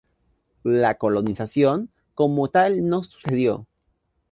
La colonización como tal no sucedió.